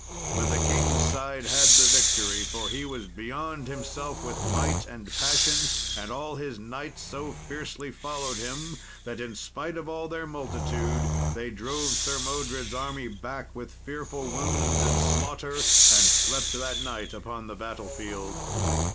But the king's side had the victory, for he was beyond himself with might and passion, and all his knights so fiercely followed him, that, in spite of all their multitude, they drove Sir Modred's army back with fearful wounds and slaughter, and slept that night upon the battle field.